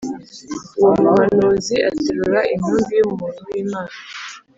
Uwo muhanuzi aterura intumbi y’umuntu w’Imana